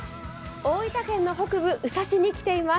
大分県の北部、宇佐市に来ています。